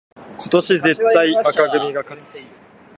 今年絶対紅組が勝つ